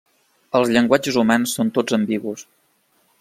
Els llenguatges humans són tots ambigus.